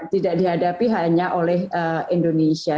tidak dihadapi hanya oleh indonesia